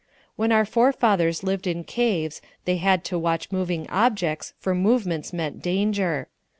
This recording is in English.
When our forefathers lived in caves they had to watch moving objects, for movements meant danger.